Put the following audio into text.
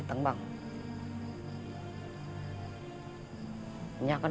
lo ga tahu